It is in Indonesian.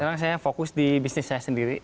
karena saya fokus di bisnis saya sendiri